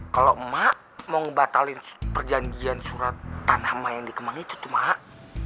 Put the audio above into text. kalau emak mau ngebatalin perjanjian surat tanah emak yang di kemang itu tuh emak